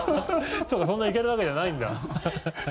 そんな行けるわけじゃないんだ。